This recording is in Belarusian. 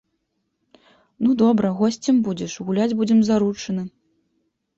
Ну добра, госцем будзеш, гуляць будзем заручыны.